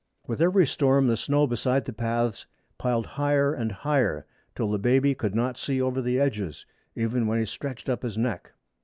With every storm the snow beside the paths piled higher and higher, till the baby could not see over the edges, even when he stretched up his neck.